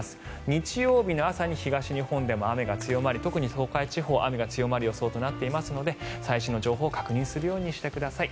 日曜日の朝に東日本でも雨が強まり特に東海地方、雨が強まる予想となっていますので最新の情報を確認するようにしてください。